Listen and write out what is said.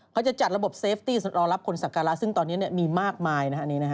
เขาจะจัดระบบเซฟตี้สำหรับคนศักราชซึ่งตอนนี้มีมากมาย